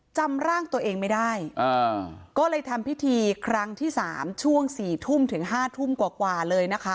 จำร่างตัวเองไม่ได้ก็เลยทำพิธีครั้งที่๓ช่วง๔ทุ่มถึง๕ทุ่มกว่าเลยนะคะ